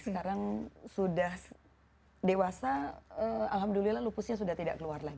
sekarang sudah dewasa alhamdulillah lupusnya sudah tidak keluar lagi